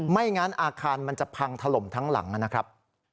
ไม่งั้นอาคารมันจะพังถล่มทั้งหลังนะครับ